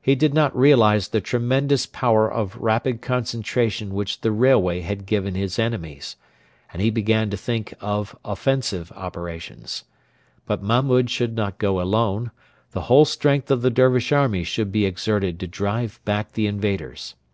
He did not realise the tremendous power of rapid concentration which the railway had given his enemies; and he began to think of offensive operations. But Mahmud should not go alone. The whole strength of the Dervish army should be exerted to drive back the invaders.